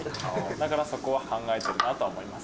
だからそこは考えてるなとは思います。